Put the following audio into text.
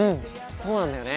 そうなんだよね。